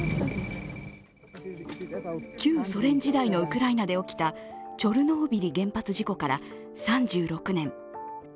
旧ソ連時代のウクライナで起きたチョルノービリ原発事故から３６年。